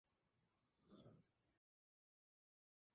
Reyes fue la primera actriz de los teatros Español y Lara.